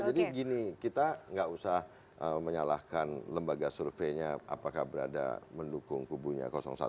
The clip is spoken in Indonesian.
jadi gini kita gak usah menyalahkan lembaga surveinya apakah berada mendukung kubunya satu atau tidak